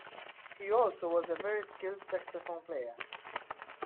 He also was a very skilled saxophone player.